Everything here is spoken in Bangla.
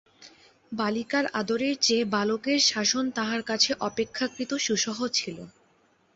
বালিকার আদরের চেয়ে বালকের শাসন তাহার কাছে অপেক্ষাকৃত সুসহ ছিল।